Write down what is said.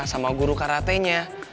sama guru karate nya